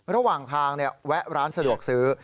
ระหว่างทางแวะร้านสะดวกซื้อ